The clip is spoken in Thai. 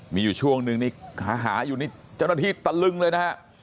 มีอยู่ช่วงนึงนี่หาอยู่นี่เจ้าหน้าที่ตะลึงเลยนะฮะ